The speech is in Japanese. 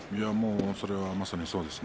それは、まさにそうですね。